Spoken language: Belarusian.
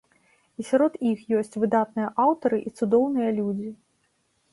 І сярод іх ёсць выдатныя аўтары і цудоўныя людзі.